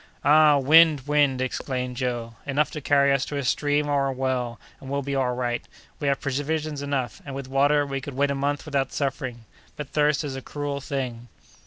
"Ah! wind! wind!" exclaimed Joe; "enough to carry us to a stream or a well, and we'll be all right. We have provisions enough, and, with water, we could wait a month without suffering; but thirst is a cruel thing!"